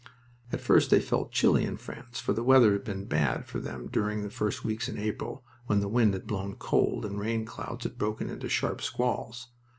At first they felt chilly in France, for the weather had been bad for them during the first weeks in April, when the wind had blown cold and rain clouds had broken into sharp squalls.